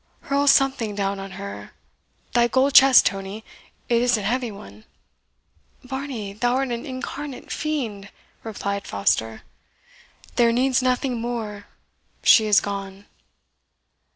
"Hurl something down on her thy gold chest, Tony it is an heavy one." "Varney, thou art an incarnate fiend!" replied Foster. "There needs nothing more she is gone!"